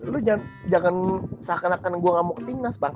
lu jangan seakan akan gue gak mau ke timnas bang